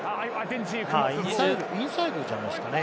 インサイドじゃないですかね？